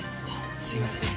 すみません。